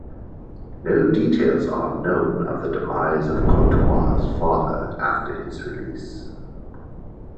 No details are known of the demise of Courtois' father after his release.